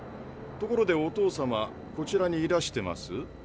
ところでお父様こちらにいらしてます？